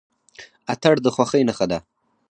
اتن د خوښۍ نښه ده.